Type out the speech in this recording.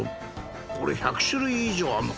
これ１００種類以上あんのかな？